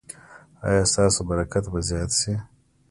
ایا ستاسو برکت به زیات شي؟